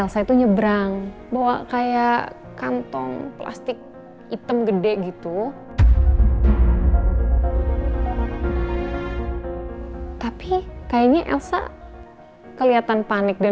jangan bikin mama panik ya